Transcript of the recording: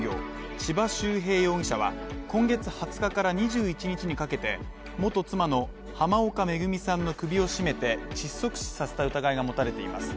千葉修平容疑者は、今月２０日から２１日にかけて、元妻の濱岡恵さんの首を絞めて窒息死させた疑いが持たれています。